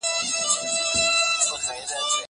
زه به سبا کالي وچوم وم!!